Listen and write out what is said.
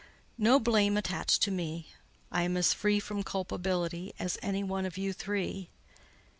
No blame attached to me: I am as free from culpability as any one of you three.